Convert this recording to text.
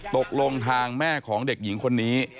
ตกลงทางแม่ของเด็กหญิงคนนี้